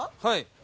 はい。